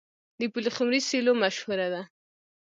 د پلخمري سیلو مشهوره ده.